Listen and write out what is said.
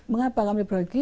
mengapa kami perbaiki